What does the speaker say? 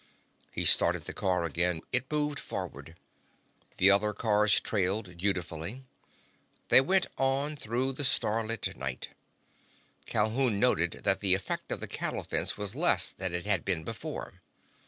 He started the car up again. It moved forward. The other cars trailed dutifully. They went on through the starlit night. Calhoun noted that the effect of the cattle fence was less than it had been before.